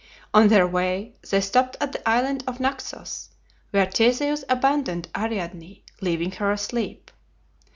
On their way they stopped at the island of Naxos, where Theseus abandoned Ariadne, leaving her asleep.